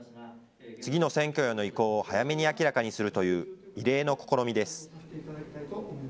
次の選挙への移行を早めに明らかにするという異例の試みです。